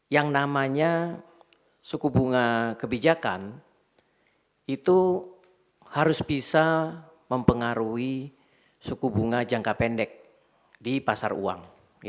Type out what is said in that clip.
yang namanya suku bunga kebijakan itu harus bisa mempengaruhi suku bunga jangka pendek di pasar uang